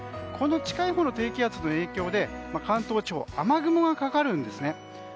この近いほうの低気圧の影響で関東地方は雨雲がかかるんですね。